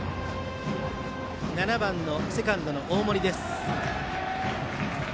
７番のセカンドの大森です。